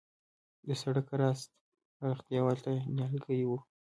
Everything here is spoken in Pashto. د سړک راست اړخ دیوال ته نیالګي وه.